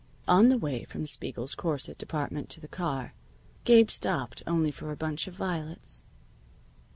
On the way from Spiegel's corset department to the car, Gabe stopped only for a bunch of violets.